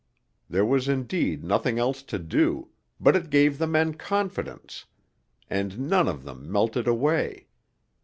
There was indeed nothing else to do, but it gave the men confidence, and none of them melted away.